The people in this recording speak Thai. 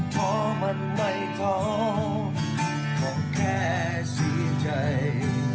พอมันไม่ท้องต้องแค่สิ้นใจ